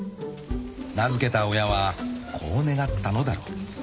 ［名付けた親はこう願ったのだろう］